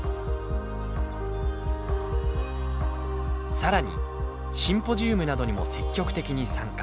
更にシンポジウムなどにも積極的に参加。